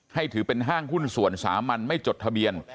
ถือเป็นห้างหุ้นส่วนสามัญไม่จดทะเบียน